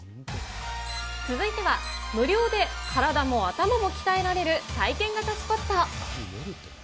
続いては無料で体も頭も鍛えられる体験型スポット。